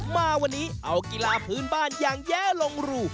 มาวันนี้เอากีฬาพื้นบ้านอย่างแย้ลงรู